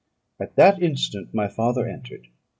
At that instant my father entered.